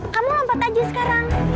kamu lompat aja sekarang